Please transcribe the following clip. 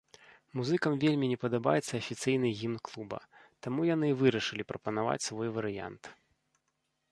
Музыкам вельмі не падабаецца афіцыйны гімн клуба, таму яны і вырашылі прапанаваць свой варыянт.